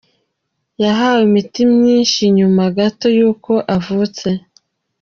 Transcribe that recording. Yahawe imiti myinshi nyuma gato yuko avutse.